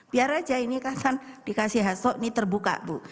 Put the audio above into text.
biar aja ini dikasih hasil ini terbuka bu